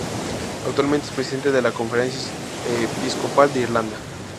Actualmente es Presidente de la Conferencia Episcopal de Irlanda.